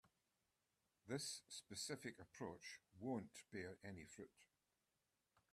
This specific approach won't bear any fruit.